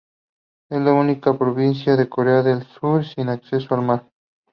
Es la única provincia de Corea del Sur sin acceso al mar.